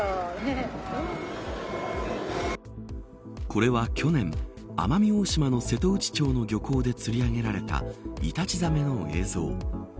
これは去年、奄美大島の瀬戸内町の漁港で釣り上げられたイタチザメの映像。